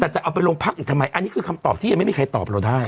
แต่จะเอาไปโรงพักอีกทำไมอันนี้คือคำตอบที่ยังไม่มีใครตอบเราได้